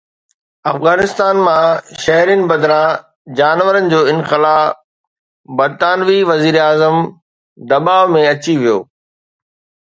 افغانستان مان شهرين بدران جانورن جو انخلاء، برطانوي وزيراعظم دٻاءُ ۾ اچي ويو